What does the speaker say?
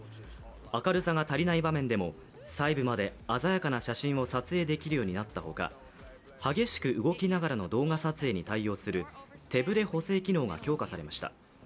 明るさが足りない場面でも細部まで鮮やかな写真を撮影できるようになったほか、激しく動きながらの動画撮影に対応する手ぶれ補整機能が強化されました。